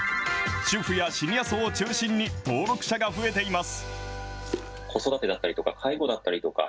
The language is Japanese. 主婦やシニア層を中心に登録者が増えています。